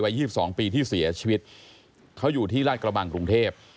๒๒ปีที่เสียชีวิตเขาอยู่ที่ราชกระบังกรุงเทพ